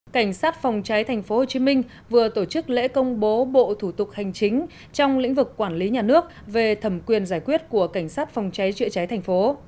cảnh sát phòng cháy thành phố hồ chí minh vừa tổ chức lễ công bố bộ thủ tục hành chính trong lĩnh vực quản lý nhà nước về thẩm quyền giải quyết của cảnh sát phòng cháy chữa cháy thành phố